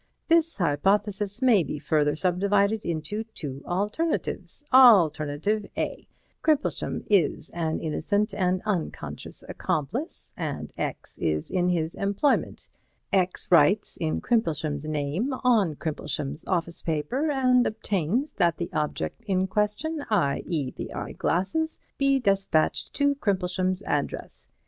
This hypothesis may be further subdivided into two alternatives. Alternative A: Crimplesham is an innocent and unconscious accomplice, and X is in his employment. X writes in Crimplesham's name on Crimplesham's office paper and obtains that the object in question, i.e., the eyeglasses, be despatched to Crimplesham's address.